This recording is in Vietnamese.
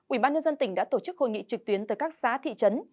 ủy ban nhân dân tỉnh đã tổ chức hội nghị trực tuyến tới các xã thị trấn